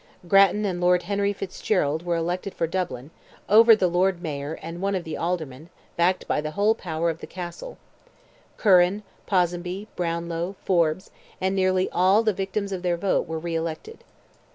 Grattan and Lord Henry Fitzgerald were elected for Dublin, over the Lord Mayor and one of the Aldermen, backed by the whole power of the Castle; Curran, Ponsonby, Brownlow, Forbes, and nearly all "the victims of their vote" were re elected.